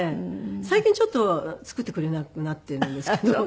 最近ちょっと作ってくれなくなっているんですけど。